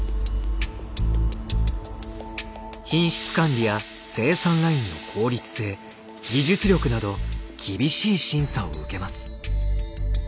品質管理や生産ラインの効率性技術力など厳しい審査を受けます。